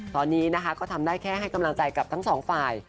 ตอนนี้นะคะก็ทำได้แค่ให้กำลังใจกับทั้งสองฝ่าย